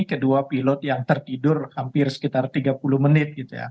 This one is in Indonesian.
kedua pilot yang tertidur hampir sekitar tiga puluh menit gitu ya